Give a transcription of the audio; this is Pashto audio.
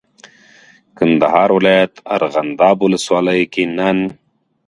کندهار ولایت ارغنداب ولسوالۍ کې نن